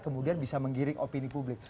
kemudian bisa menggiring opini publik